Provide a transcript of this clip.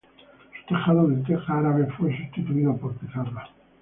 Su tejado de teja árabe fue sustituido por pizarra.